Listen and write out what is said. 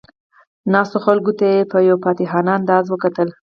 ناستو خلکو ته یې په یو فاتحانه انداز وکتل.